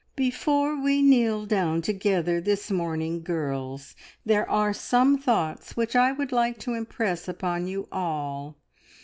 "Before we kneel down together this morning, girls, there are some thoughts which I would like to impress upon you all.